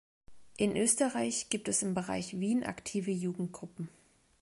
In Österreich gibt es im Bereich Wien aktive Jugendgruppen.